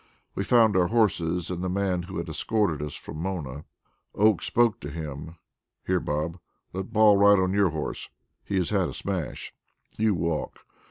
We found our horses and the man who had escorted us from Mona. Oakes spoke to him: "Here, Bob, let Paul ride on your horse; he has had a smash. You walk.